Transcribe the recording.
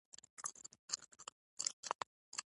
• سترګې د ژوند توازن ته اړتیا لري.